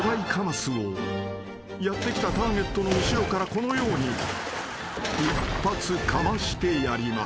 ［やって来たターゲットの後ろからこのように一発かましてやります］